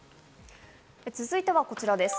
続いてはこちらです。